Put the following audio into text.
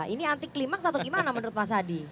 ini anti klimaks atau bagaimana menurut mas adi